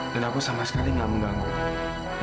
dan aku sama sekali gak mau bangun